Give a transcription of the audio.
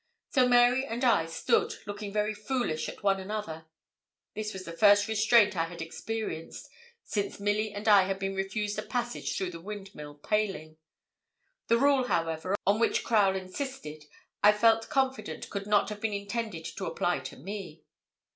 So Mary and I stood, looking very foolish at one another. This was the first restraint I had experienced since Milly and I had been refused a passage through the Windmill paling. The rule, however, on which Crowle insisted I felt confident could not have been intended to apply to me.